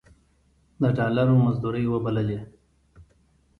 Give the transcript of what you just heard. د ډالرو مزدورۍ وبللې.